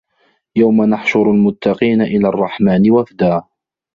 يَوْمَ نَحْشُرُ الْمُتَّقِينَ إِلَى الرَّحْمَنِ وَفْدًا